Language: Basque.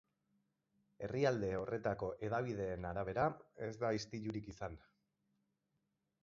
Herrialde horretako hedabideen arabera, ez da istilurik izan.